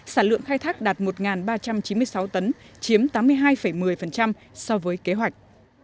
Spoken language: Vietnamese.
sản lượng khai thác đạt một ba trăm chín mươi sáu tấn chiếm tám mươi hai một mươi so với kế hoạch